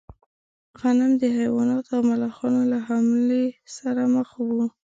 غنم د حیواناتو او ملخانو له حملې سره مخ و.